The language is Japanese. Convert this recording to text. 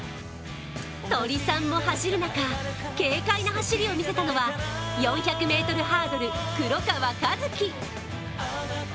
鳥さんも走る中、軽快な走りを見せたのは４００ｍハードル・黒川和樹。